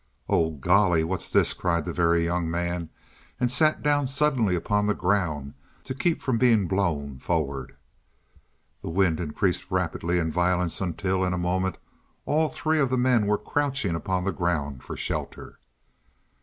"Oh, golly, what's this?" cried the Very Young Man, and sat down suddenly upon the ground to keep from being blown forward. The wind increased rapidly in violence until, in a moment, all three of the men were crouching upon the ground for shelter.